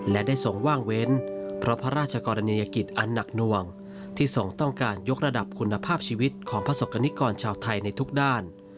และได้ทรงว่างเว้นเพราะพระราชกรณียกิจอันหนักหน่วงที่ทรงต้องการยกระดับคุณภาพชีวิตของประสบกรณิกรชาวไทยในทุกด้าน